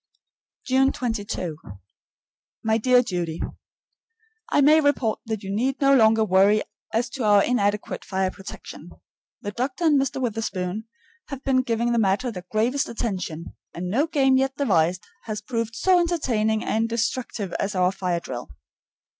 June 22. My dear Judy: I may report that you need no longer worry as to our inadequate fire protection. The doctor and Mr. Witherspoon have been giving the matter their gravest attention, and no game yet devised has proved so entertaining and destructive as our fire drill.